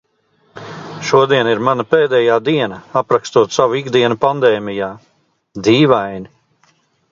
Šodiena ir mana pēdējā diena aprakstot savu ikdienu pandēmijā... dīvaini.